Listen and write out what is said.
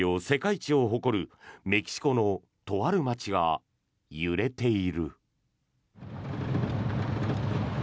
世界一を誇るメキシコのとある街が揺れている。